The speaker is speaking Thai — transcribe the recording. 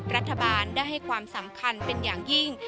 รัฐบาลได้ให้ความสำคัญเป็นอย่างยิ่ง